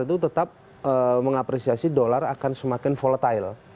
itu tetap mengapresiasi dolar akan semakin volatile